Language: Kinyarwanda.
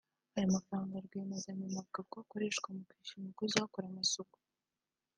Aya mafaranga rwiyemezamirimo avuga ko akoreshwa mu kwishyura umukozi uhakora isuku